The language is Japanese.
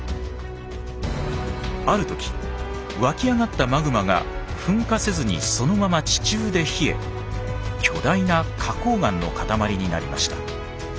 ある時わき上がったマグマが噴火せずにそのまま地中で冷え巨大な花崗岩の塊になりました。